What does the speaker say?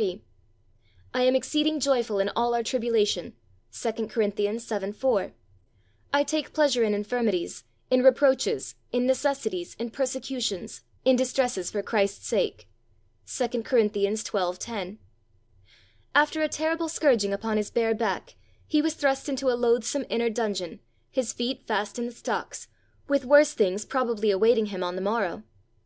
3); "I am exceeding joyful in all our tribulation" (2 Cor. vii. 4); "I take pleasure in infirmities, in reproaches, in necessities, in persecutions, in distresses for Christ's sake" (2 Cor. xii. 10). After a terrible scourging upon his bare back, he was thrust into a loathsome inner dungeon, his feet fast in the stocks, with worse things probably awaiting him on the morrow.